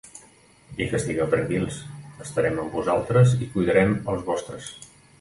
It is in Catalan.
I que estigueu tranquils, estarem amb vosaltres i cuidarem els vostres.